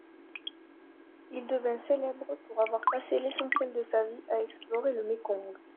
Il devint célèbre pour avoir passé l’essentiel de sa vie à explorer le Mékong.